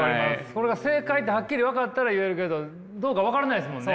それが正解ってハッキリ分かったら言えるけどどうか分からないですもんね。